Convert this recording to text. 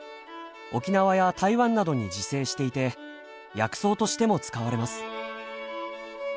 沖縄や台湾などに自生していて薬草としても使われます。